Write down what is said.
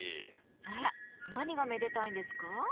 あら何がめでたいんですか？